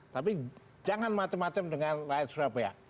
tapi jangan macam macam dengan rakyat surabaya